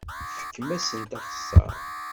Fkem-asent axeṣṣar.